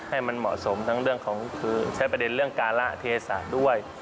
ให้มันเหมาะสมทั้งเรื่องของคือใช้ประเด็นเรื่องการละเทศะด้วย